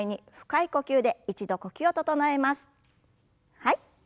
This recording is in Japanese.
はい。